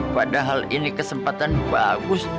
padahal ini kesempatan bagus